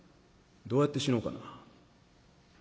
どうやって死のうかな。